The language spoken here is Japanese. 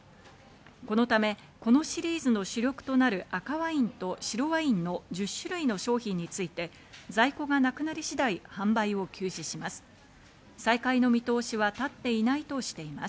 このため、このシリーズの主力となる赤ワインと白ワインの１０種類の商品について在庫がなくなり次第販売を休止します。